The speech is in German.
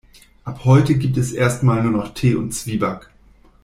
Ab heute gibt es erst mal nur noch Tee und Zwieback.